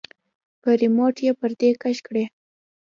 په رېموټ يې پردې کش کړې.